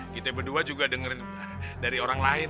kita berdua juga denger dari orang lain